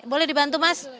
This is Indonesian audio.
boleh dibantu mas